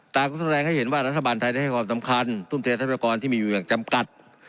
ต่างก็แสดงให้เห็นว่ารัฐบาลไทยได้ให้ความสำคัญทุ่มเททรัพยากรที่มีอยู่อย่างจำกัด